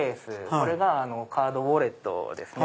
これがカードウォレットですね。